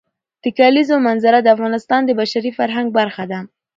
د کلیزو منظره د افغانستان د بشري فرهنګ برخه ده.